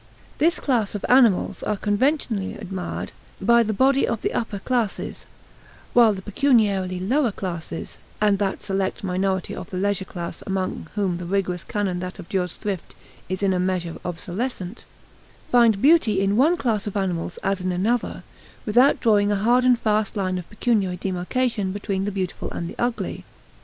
This class of animals are conventionally admired by the body of the upper classes, while the pecuniarily lower classes and that select minority of the leisure class among whom the rigorous canon that abjures thrift is in a measure obsolescent find beauty in one class of animals as in another, without drawing a hard and fast line of pecuniary demarcation between the beautiful and the ugly.